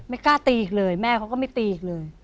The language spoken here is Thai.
กล้าตีอีกเลยแม่เขาก็ไม่ตีอีกเลย